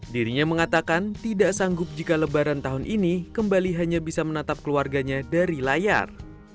dirinya mengatakan tidak sanggup jika lebaran tahun ini kembali hanya bisa menatap keluarganya dari layar